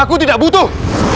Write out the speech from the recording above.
aku tidak butuh